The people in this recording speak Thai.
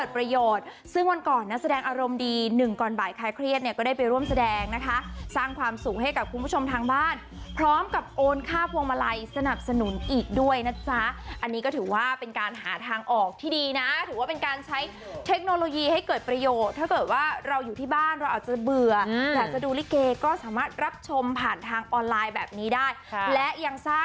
ประโยชน์ซึ่งวันก่อนนักแสดงอารมณ์ดี๑ก่อนบ่ายคล้ายเครียดเนี่ยก็ได้ไปร่วมแสดงนะคะสร้างความสูงให้กับคุณผู้ชมทางบ้านพร้อมกับโอนค่าฟวงมาลัยสนับสนุนอีกด้วยนะจ๊ะอันนี้ก็ถือว่าเป็นการหาทางออกที่ดีนะถือว่าเป็นการใช้เทคโนโลยีให้เกิดประโยชน์ถ้าเกิดว่าเราอยู่ที่บ้านเราอาจจะเบื่อ